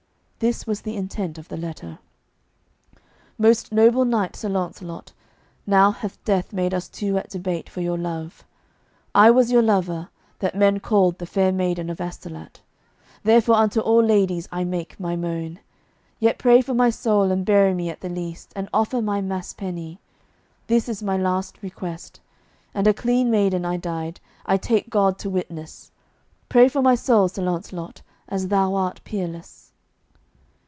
This was the intent of the letter: "Most noble knight Sir Launcelot, now hath death made us two at debate for your love. I was your lover, that men called the Fair Maiden of Astolat; therefore unto all ladies I make my moan; yet pray for my soul, and bury me at the least, and offer my mass penny. This is my last request. And a clean maiden I died, I take God to witness. Pray for my soul, Sir Launcelot, as thou art peerless."